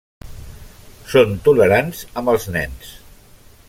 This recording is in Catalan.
Són tolerants amb els nens.